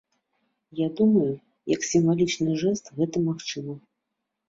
Я думаю, як сімвалічны жэст гэта магчыма.